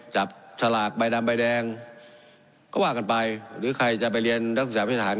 จับฉลากใบดำใบแดงก็ว่ากันไปหรือใครจะไปเรียนดังสามารถเป็นทหาร